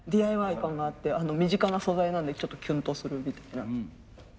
ＤＩＹ感があって身近な素材なんでちょっとキュンとするみたいな。